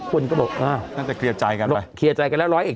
คนก็บอกว่าตั้งแต่เครียบใจกันแล้วทีทางและร้อยเอก